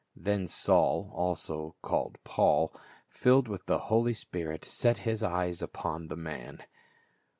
Then Saul, who was also called Paul, filled with the Holy Spirit, set his eyes upon the man.